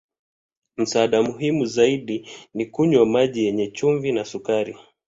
Msaada muhimu zaidi ni kunywa maji yenye chumvi na sukari.